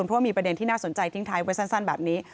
เพราะว่ามีประเด็นที่น่าสนใจทิ้งท้ายไว้สั้นแบบนี้